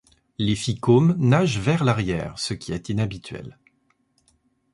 Les phycomes nagent vers l'arrière, ce qui est inhabituel.